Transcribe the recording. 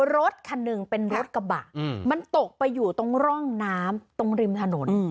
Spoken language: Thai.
รถคันหนึ่งเป็นรถกระบะมันตกไปอยู่ตรงร่องน้ำตรงริมถนน